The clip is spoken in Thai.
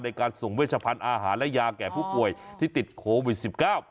ในการส่งเวชพันธุ์อาหารและยาแก่ผู้ป่วยที่ติดโควิดสิบเก้า